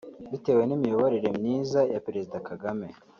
Bitewe n’imiyoborere myiza ya Perezida Kagame